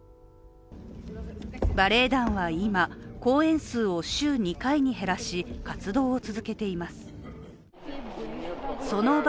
バレエ団は今、公演数を週２回に減らし活動を続けています。